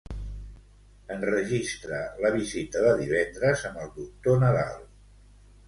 Enregistra la visita de divendres amb el doctor Nadal.